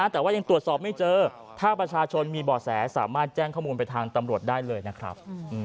แต่ว่ายังตรวจสอบไม่เจอถ้าประชาชนมีบ่อแสสามารถแจ้งข้อมูลไปทางตำรวจได้เลยนะครับ